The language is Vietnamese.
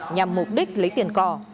nhằm mục đích lấy tiền cò